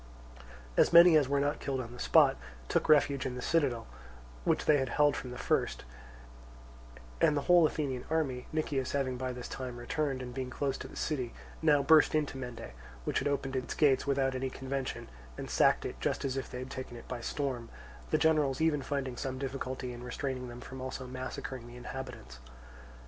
As many as were not killed on the spot took refuge in the citadel, which they had held from the first; and the whole, Athenian army, Nicias having by this time returned and being close to the city, now burst into Mende, which had opened its gates without any convention, and sacked it just as if they had taken it by storm, the generals even finding some difficulty in restraining them from also massacring the inhabitants.